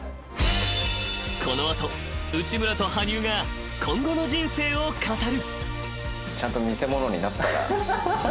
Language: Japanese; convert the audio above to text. ［この後内村と羽生が今後の人生を語る］